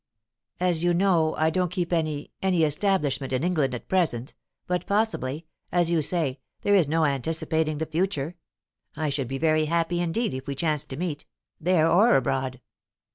As you know, I don't keep any any establishment in England at present; but possibly as you say, there is no anticipating the future. I should be very happy indeed if we chanced to meet, there or abroad."